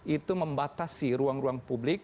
itu membatasi ruang ruang publik